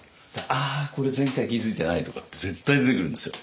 あこれ前回気付いてないとか絶対出てくるんですよ。